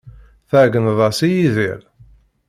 Tɛeyyneḍ-as i Yidir?